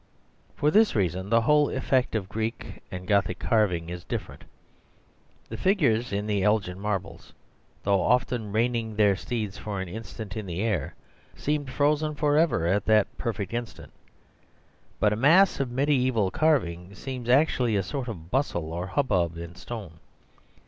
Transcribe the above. For this reason the whole effect of Greek and Gothic carving is different. The figures in the Elgin marbles, though often reining their steeds for an instant in the air, seem frozen for ever at that perfect instant. But a mass of mediaeval carving seems actually a sort of bustle or hubbub in stone.